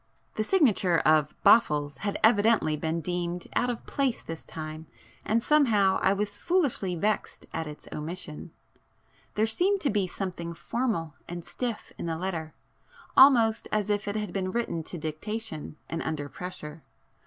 The signature of 'Boffles' had evidently been deemed out of place this time and somehow I was foolishly vexed at its omission. There seemed to be something formal and stiff in the letter, almost as if it had been written to dictation, and under pressure.